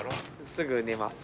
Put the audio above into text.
すぐ寝ます。